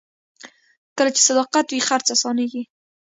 کله چې صداقت وي، خرڅ اسانېږي.